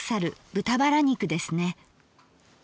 豚バラ肉ですね。